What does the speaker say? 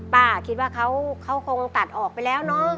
ป้าคิดว่าเขาคงตัดออกไปแล้วเนอะ